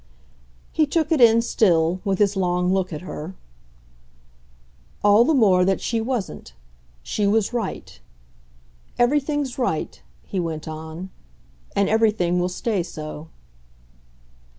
'" He took it in still, with his long look at her. "All the more that she wasn't. She was right. Everything's right," he went on, "and everything will stay so."